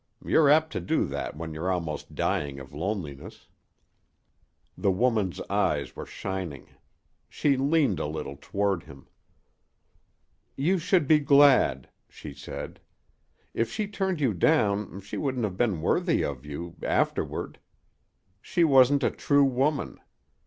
You're apt to do that when you're almost dying of loneliness." The woman's eyes were shining. She leaned a little toward him. "You should be glad," she said. "If she turned you down she wouldn't have been worthy of you afterward. She wasn't a true woman.